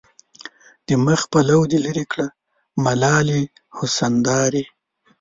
د مخ پلو دې لېري کړه ملالې حسن دارې